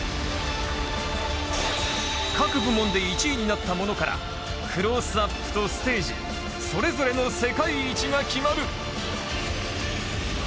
各部門で１位になった者からクロースアップとステージそれぞれの世界一が決まる。